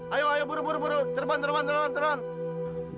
ayo ayo buru buru turban turban turban